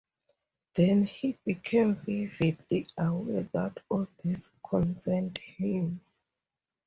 Then he became vividly aware that all this concerned him.